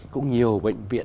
cũng nhiều bệnh viện